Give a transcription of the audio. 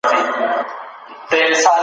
پخوانیو فیلسوفانو یوازې تفکر کاوه.